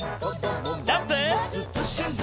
ジャンプ！